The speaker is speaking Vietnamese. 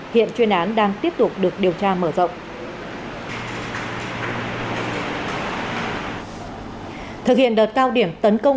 hiện chuyên án đang tiếp tục được điều tra mở rộng